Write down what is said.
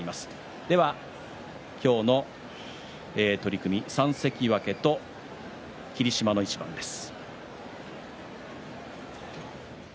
今日の取組、３関脇と霧島の一番です。